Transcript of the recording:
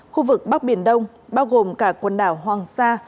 khu vực bắc biển đông bao gồm cả quần đảo hoàng sa